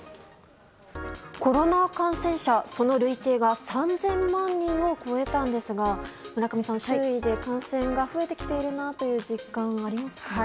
コロナ感染者、その累計が３０００万人を超えたんですが村上さん周囲で感染が増えてきているなという実感はありますか？